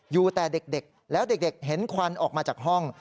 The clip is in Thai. อยู่แต่เด็กแล้วเด็กเห็นควันออกมาจากห้อง